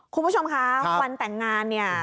คุณผู้ชมคะวันแต่งงานเนี่ย